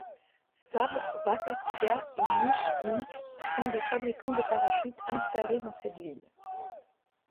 Saab Baccacuda et Niche, Inc. sont des fabricants de parachutes installés dans cette ville.